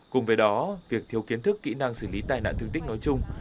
cùng với đó việc thiếu kiến thức kỹ năng xử lý tai nạn thương tích nói chung